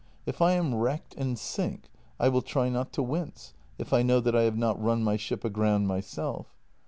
If I am wrecked and sink, I will try not to wince, if I know that I have not run my ship aground myself.